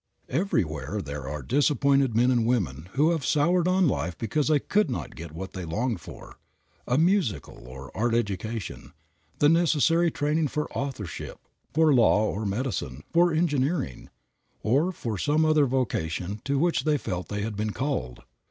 Everywhere there are disappointed men and women who have soured on life because they could not get what they longed for, a musical or art education, the necessary training for authorship, for law or medicine, for engineering, or for some other vocation to which they felt they had been called.